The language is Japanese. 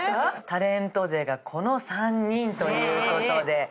タレント勢がこの３人という事で。